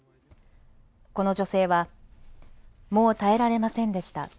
この女性はもう耐えられませんでした。